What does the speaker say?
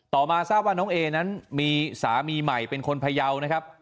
มาทราบว่าน้องเอนั้นมีสามีใหม่เป็นคนพยาวนะครับ